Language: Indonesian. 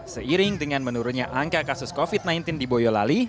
seiring dengan menurunnya angka kasus covid sembilan belas di boyolali